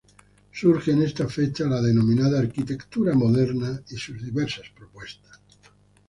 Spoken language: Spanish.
Surge en esta fecha la denominada 'arquitectura moderna' y sus diversas propuestas.